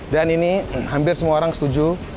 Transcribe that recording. dan ini hampir semua orang setuju